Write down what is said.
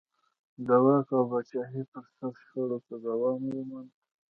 د واک او پاچاهۍ پر سر شخړو دوام وموند.